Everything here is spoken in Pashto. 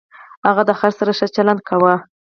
هغه د خر سره ښه چلند کاوه.